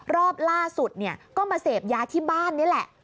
รอบล่าสุดเนี่ยก็มาเสพยาที่บ้านนี่แหละ